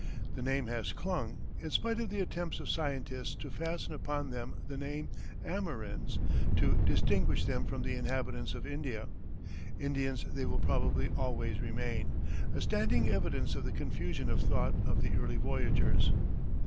The name has clung, in spite of the attempts of scientists to fasten upon them the name Amerinds, to distinguish them from the inhabitants of India. Indians they will probably always remain, a standing evidence of the confusion of thought of the early voyagers.